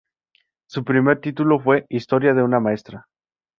Su primer título fue "Historia de una maestra".